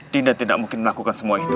tidak mungkin melakukan semua itu